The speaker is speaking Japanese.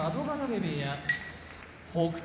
部屋北勝